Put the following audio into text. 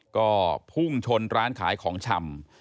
ก็พุ่งชนร้านขายของชำ